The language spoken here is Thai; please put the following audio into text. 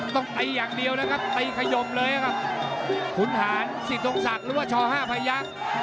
ต้องตีอย่างเดียวนะครับตีขยมเลยครับขุนหารสิทธงศักดิ์หรือว่าช๕พยักษ์